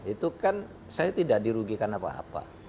itu kan saya tidak dirugikan apa apa